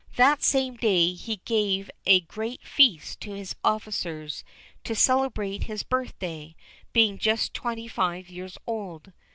That same day he gave a great feast to his officers to celebrate his birthday, being just twenty five years old.